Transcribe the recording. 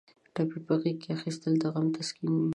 ټپي په غېږ کې اخیستل د غم تسکین وي.